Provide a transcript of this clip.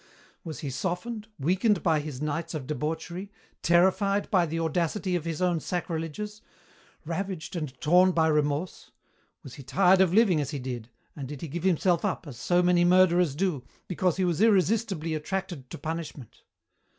"'Was he softened, weakened by his nights of debauchery, terrified by the audacity of his own sacrileges, ravaged and torn by remorse? Was he tired of living as he did, and did he give himself up, as so many murderers do, because he was irresistibly attracted to punishment?